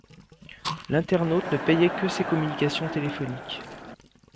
L’internaute ne payait que ses communications téléphoniques.